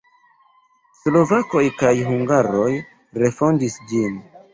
Slovakoj kaj hungaroj refondis ĝin.